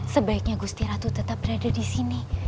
sebaiknya gusti ratu tetap berada di sini